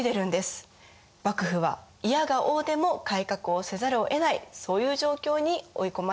幕府はいやがおうでも改革をせざるをえないそういう状況に追い込まれます。